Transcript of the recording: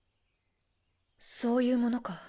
そういうものか。